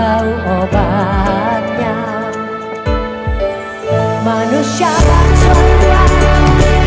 itu kita manusia kuat